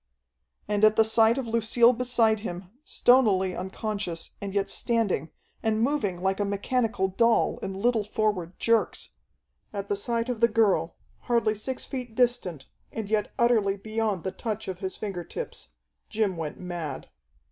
And at the sight of Lucille beside him, stonily unconscious, and yet standing, and moving like a mechanical doll, in little forward jerks at the sight of the girl, hardly six feet distant, and yet utterly beyond the touch of his finger tips, Jim went mad.